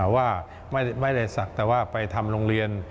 ว่าไม่ได้ศักดิ์แต่ว่าไปทำโรงเรียน